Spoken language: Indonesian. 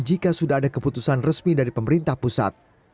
jika sudah ada keputusan resmi dari pemerintah pusat